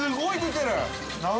すごい。